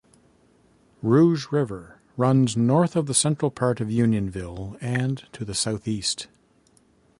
Rouge River runs north of the central part of Unionville and to the southeast.